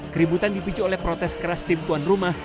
keributan dipicu oleh protes keras tim tuan rumah